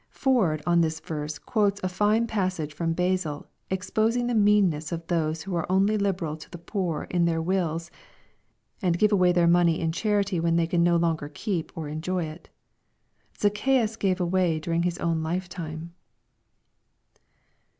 Ford on this verse quotes a fine passage from Basil, exposing the meanness of those who are only liberal to the poor in their wills, and give away their money in charity when they can no longer keep or enjoy it. Zacchaeus gave away during his own life time.